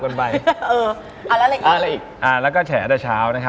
ก็ต้องไปนู่นไปนี่อะเนอะ